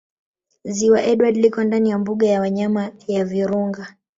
Ziwa Edward liko ndani ya Mbuga ya wanyama ya Virunga